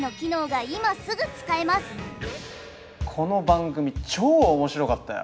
この番組超面白かったよ！